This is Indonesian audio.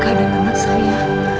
keadaan anak saya